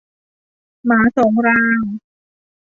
หมาสองราง